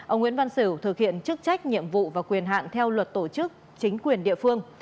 ông nguyễn văn sửu thực hiện chức trách nhiệm vụ và quyền hạn theo luật tổ chức chính quyền địa phương